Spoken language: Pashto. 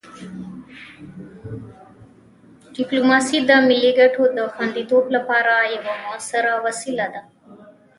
ډیپلوماسي د ملي ګټو د خوندیتوب لپاره یوه مؤثره وسیله ده.